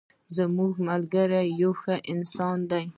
زما ملګری یو ښه انسان ده